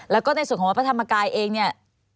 แล้วก็ในส่วนของวัดพระธรรมกายเองเนี่ย